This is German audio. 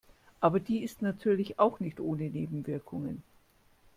Aber die ist natürlich auch nicht ohne Nebenwirkungen.